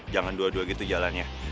jangan dua dua gitu jalannya